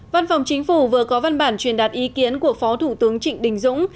văn phòng chính phủ vừa có văn bản truyền đạt ý kiến của phó thủ tướng trịnh đình dũng